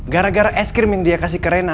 gara gara es krim yang dia kasih ke rena